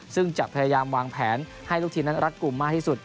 ซึ่งจะพยายามวางแผนให้ลูกทีมนั้นรัฐกลุ่มมากที่สุด